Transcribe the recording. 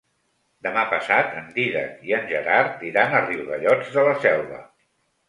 Demà passat en Dídac i en Gerard iran a Riudellots de la Selva.